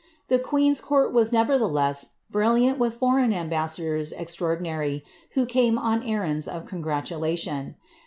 The queen's court was neveitheless brilliant with foreign ambassadors extraordinary, who came on errands of congratulation.